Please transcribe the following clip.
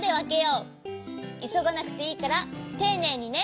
いそがなくていいからていねいにね。